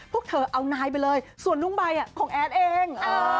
พวกเธอเอานายไปเลยส่วนนุ่งใบของแอดเอง